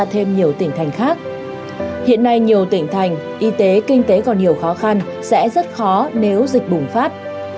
hiện nay nhiều tỉnh thành y tế kinh tế còn nhiều khó khăn sẽ rất khó nếu dịch bùng phát